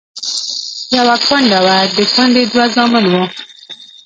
يوه کونډه وه، د کونډې دوه زامن وو.